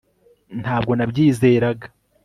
ntabwo nabyizeraga